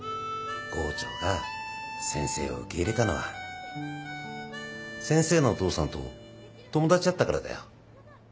郷長が先生を受け入れたのは先生のお父さんと友達だったからだよ。